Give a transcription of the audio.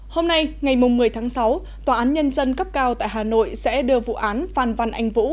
hôm nay ngày một mươi tháng sáu tòa án nhân dân cấp cao tại hà nội sẽ đưa vụ án phan văn anh vũ